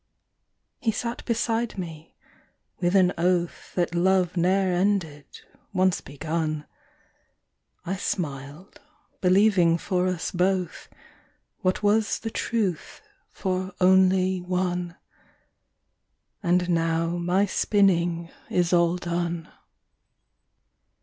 He sat beside me, with an oath That love ne'er ended, once begun; I smiled, believing for us both, What was the truth for only one: And now my spinning is all done.